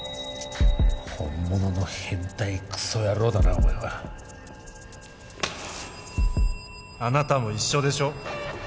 本物の変態クソ野郎だなお前はあなたも一緒でしょ